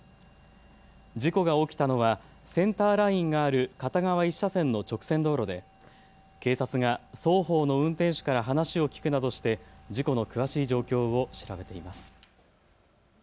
事故が起きたのはセンターラインがある片側１車線の直線道路で警察が双方の運転手から話を聞くなどして事故の詳しい状況を調べています。